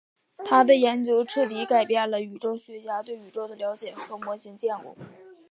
她的研究彻底改变了宇宙学家对宇宙的了解和模型建构。